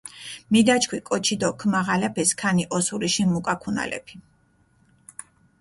მიდაჩქვი კოჩი დო ქჷმაღალაფე სქანი ოსურიში მუკაქუნალეფი.